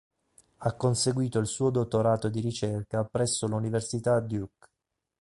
Ha conseguito il suo dottorato di ricerca presso l'Università Duke.